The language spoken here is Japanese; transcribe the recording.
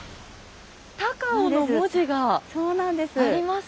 高尾の文字があります。